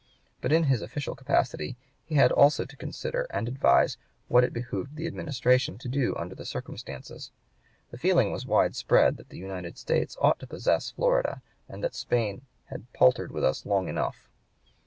But in his official capacity he had also to consider and advise what it behooved the administration to do under the circumstances. The feeling was widespread that the United States ought to possess Florida, and that Spain had paltered with us long enough.